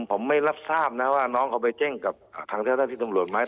ผมไม่รับทราบนะครับว่าน้องเขาไปแจ้งกับทางเท่าที่ตรงรวมไหม